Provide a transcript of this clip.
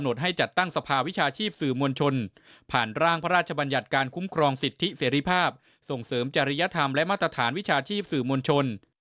และมาตรฐานวิชาชีพสื่อมวลชน